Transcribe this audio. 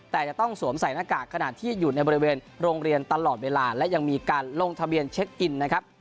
แต่จะต้องสวมใส่หน้ากากขณะที่อยู่ในบริเวณโรงเรียนตลอดเวลาและยังมีการลงทะเบียนเช็คอินนะครับ